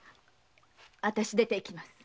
私出ていきます。